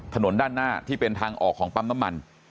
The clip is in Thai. ถนนด้านหน้าที่เป็นทางออกของปั๊มน้ำมัน